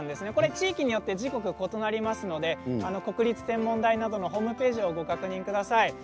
地域によって時刻は異なりますので国立天文台などのホームページをご確認ください。